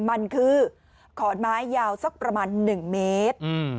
มันคือขอนไม้ยาวสักประมาณ๑เมตร